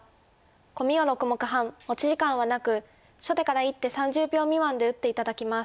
コミは６目半持ち時間はなく初手から１手３０秒未満で打って頂きます。